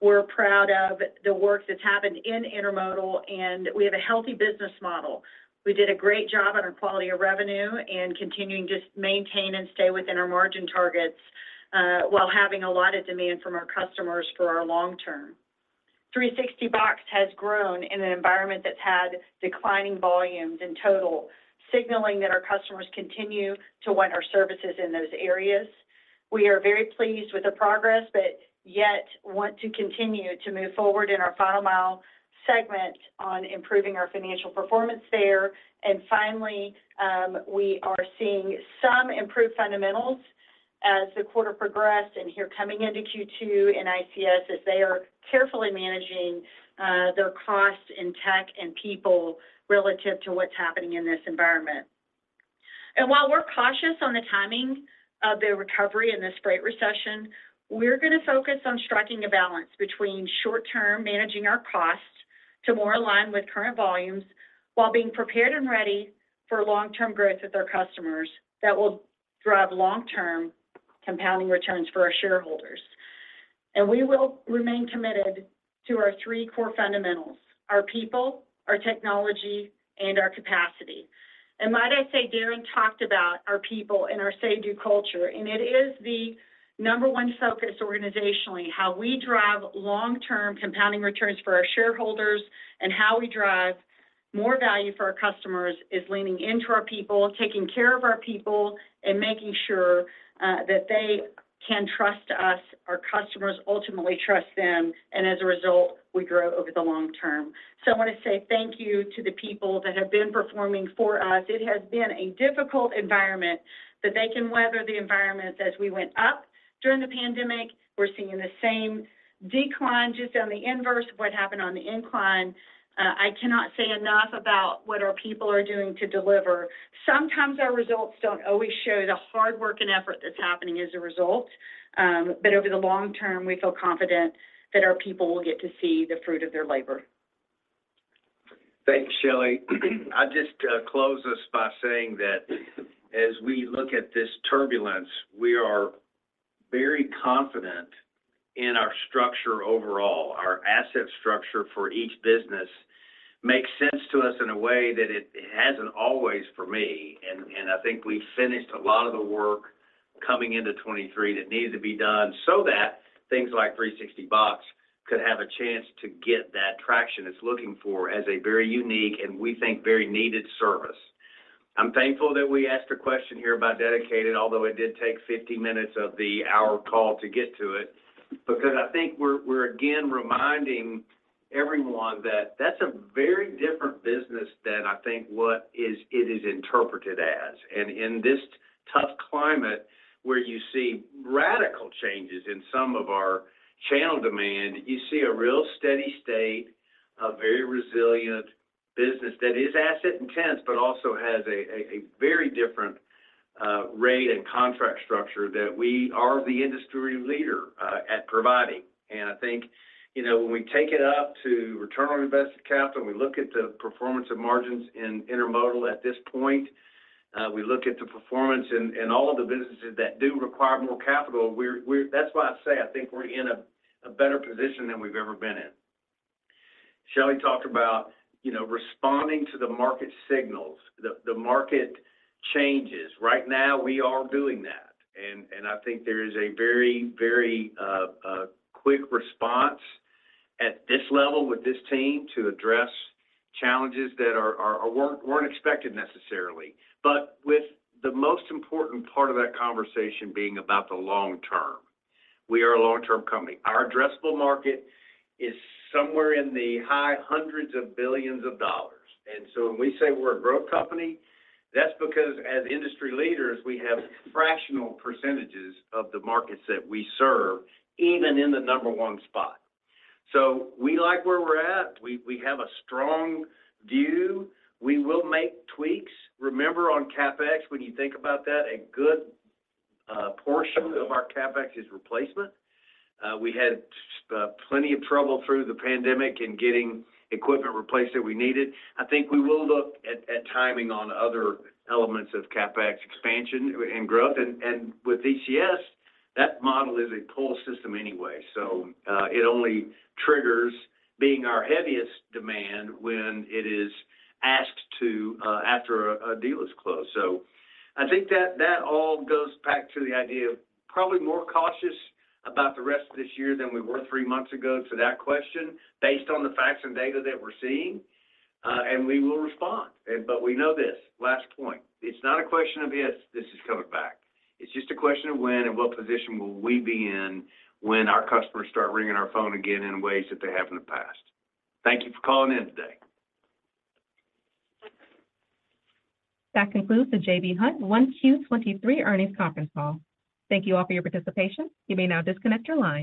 We're proud of the work that's happened in intermodal, and we have a healthy business model. We did a great job on our quality of revenue and continuing just maintain and stay within our margin targets while having a lot of demand from our customers for our long-term. 360box has grown in an environment that's had declining volumes in total, signaling that our customers continue to want our services in those areas. We are very pleased with the progress, but yet want to continue to move forward in our Final Mile segment on improving our financial performance there. Finally, we are seeing some improved fundamentals as the quarter progressed and here coming into Q2 in ICS as they are carefully managing their cost in tech and people relative to what's happening in this environment. While we're cautious on the timing of the recovery in this freight recession, we're gonna focus on striking a balance between short-term managing our costs to more align with current volumes while being prepared and ready for long-term growth with our customers that will drive long-term compounding returns for our shareholders. We will remain committed to our three core fundamentals: our people, our technology, and our capacity. Might I say, Darren talked about our people and our Say, Do culture, and it is the number one focus organizationally, how we drive long-term compounding returns for our shareholders and how we drive more value for our customers is leaning into our people, taking care of our people, and making sure that they can trust us, our customers ultimately trust them, and as a result, we grow over the long-term. I want to say thank you to the people that have been performing for us. It has been a difficult environment, but they can weather the environment as we went up during the pandemic. We're seeing the same decline just on the inverse of what happened on the incline. I cannot say enough about what our people are doing to deliver. Sometimes our results don't always show the hard work and effort that's happening as a result, over the long-term, we feel confident that our people will get to see the fruit of their labor. Thanks, Shelley. I'll just close us by saying that as we look at this turbulence, we are very confident in our structure overall. Our asset structure for each business makes sense to us in a way that it hasn't always for me. I think we finished a lot of the work coming into 2023 that needed to be done so that things like J.B. Hunt 360box could have a chance to get that traction it's looking for as a very unique and we think very needed service. I'm thankful that we asked a question here about dedicated, although it did take 50 minutes of the one-hour call to get to it because I think we're again reminding everyone that that's a very different business than I think it is interpreted as. In this tough climate where you see radical changes in some of our channel demand, you see a real steady state, a very resilient business that is asset intense, but also has a very different rate and contract structure that we are the industry leader at providing. I think, you know, when we take it up to return on invested capital, we look at the performance of margins in intermodal at this point, we look at the performance in all of the businesses that do require more capital. That's why I say I think we're in a better position than we've ever been in. Shelley talked about, you know, responding to the market signals. The market changes. Right now, we are doing that. I think there is a very, very quick response at this level with this team to address challenges that are weren't expected necessarily. With the most important part of that conversation being about the long-term. We are a long-term company. Our addressable market is somewhere in the high hundreds of billions of dollars. When we say we're a growth company, that's because as industry leaders, we have fractional percentages of the markets that we serve, even in the number one spot. We like where we're at. We have a strong view. We will make tweaks. Remember on CapEx, when you think about that, a good portion of our CapEx is replacement. We had plenty of trouble through the pandemic in getting equipment replaced that we needed. I think we will look at timing on other elements of CapEx expansion and growth. With DCS, that model is a pull system anyway. It only triggers being our heaviest demand when it is asked to, after a deal is closed. I think that that all goes back to the idea of probably more cautious about the rest of this year than we were three months ago to that question based on the facts and data that we're seeing, and we will respond. We know this, last point. It's not a question of if this is coming back. It's just a question of when and what position will we be in when our customers start ringing our phone again in ways that they have in the past. Thank you for calling in today. That concludes the J.B. Hunt 1Q 2023 earnings conference call. Thank you all for your participation. You may now disconnect your line.